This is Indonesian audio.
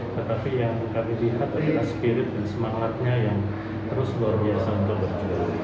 tetapi yang kami lihat adalah spirit dan semangatnya yang terus luar biasa untuk berjuang